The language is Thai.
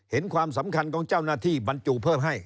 ความสำคัญของเจ้าหน้าที่บรรจุเพิ่มให้